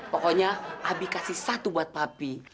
pokoknya abi kasih satu buat papi